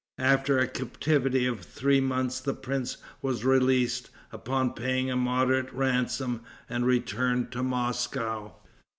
After a captivity of three months the prince was released, upon paying a moderate ransom, and returned to Moscow.